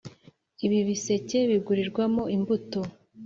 Ibibiseke bigurirwamo imbuto .